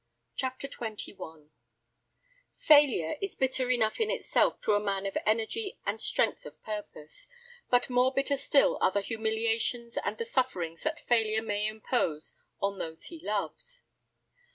CHAPTER XXI Failure is bitter enough in itself to a man of energy and strength of purpose, but more bitter still are the humiliations and the sufferings that failure may impose on those he loves.